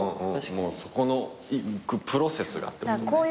そこのプロセスがってことね。